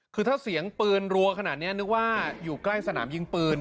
คือถ้าเสียงปืนรัวขนาดนี้นึกว่าอยู่ใกล้สนามยิงปืน